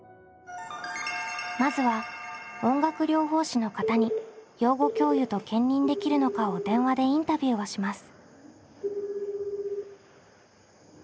まずは音楽療法士の方に養護教諭と兼任できるのかを電話でインタビューをします。